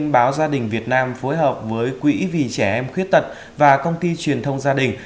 báo gia đình việt nam phối hợp với quỹ vì trẻ em khuyết tật và công ty truyền thông gia đình